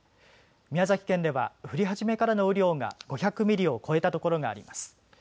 宮崎県では降り始めからの雨量が５００ミリを超えたところがあります。